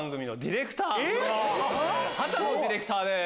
波多野ディレクターです。